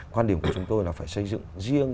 quan điểm của chúng tôi là phải xây dựng riêng